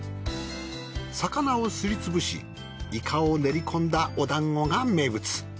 魚をすり潰しイカを練り込んだおだんごが名物。